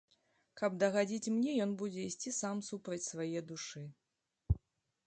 Каб дагадзіць мне, ён будзе ісці сам супраць свае душы.